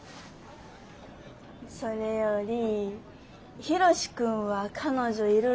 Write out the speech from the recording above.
それよりヒロシ君は彼女いるろ？